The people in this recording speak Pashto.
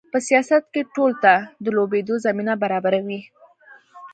په سیاست کې ټولو ته د لوبېدو زمینه برابروي.